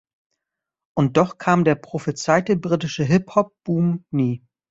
Und doch kam der prophezeite britische Hip-Hop Boom nie.